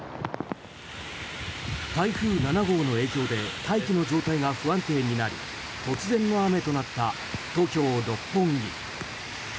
台風７号の影響で大気の状態が不安定になり突然の雨となった東京・六本木。